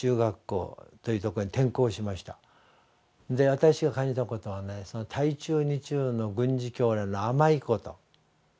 私が感じたことはね台中二中の軍事教練の甘いこと。